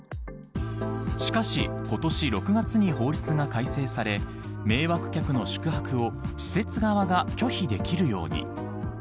しかし、今年６月に法律が改正され迷惑客の宿泊を施設側が拒否できるように。